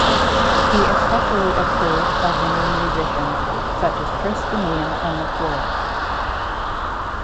He especially approved of the new musicians, such as Kris Demeanor and The Floor.